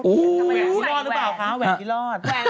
โอ้โหรอดหรือเปล่าคะแหวกนี้รอด